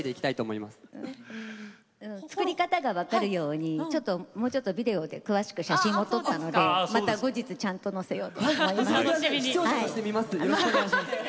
作り方が分かるようにもうちょっとビデオで詳しく写真も撮ったので後日載せようと思います。